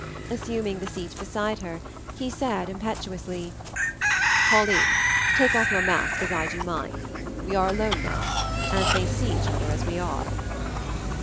Assuming the seat beside her, he said, impetuously, "Pauline, take off your mask as I do mine we are alone now, and may see each other as we are."